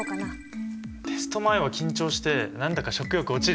テスト前は緊張して何だか食欲落ちるよね。